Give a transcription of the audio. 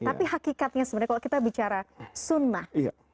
tapi hakikatnya sebenarnya kalau kita bicara sunnah